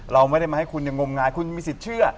เราไม่ได้มาให้คุณยังงมงายคุณมีสิทธิ์เชื่อ